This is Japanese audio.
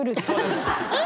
そうです。